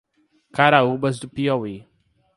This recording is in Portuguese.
Caraúbas do Piauí